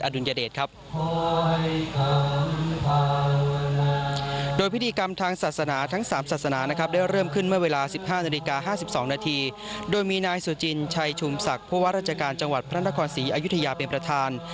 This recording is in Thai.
โดยมีนายสุจินชัยชุมศักดิ์ผู้วัดราชการจังหวัดพระนครศรีอยุธยาเป็นประธาน